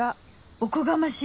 おこがましい！